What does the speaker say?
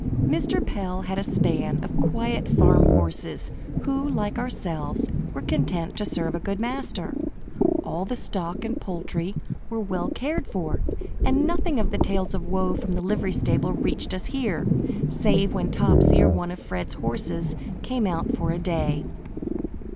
Mr. Pell had a span of quiet farm horses, who, like ourselves, were contented to serve a good master. All the stock and poultry were well cared for, and nothing of the tales of woe from the livery stable reached us here, save when Topsy or one of Fred's horses came out for a day.